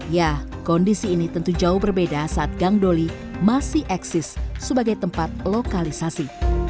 ya kondisi ini tentu jauh berbeda saat gang doli masih eksis sebagai tempat lokalisasi